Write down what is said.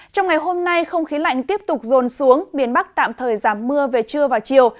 trong ngày hôm nay không khí lạnh tiếp tục rồn xuống miền bắc tạm thời giảm mưa về trưa và chiều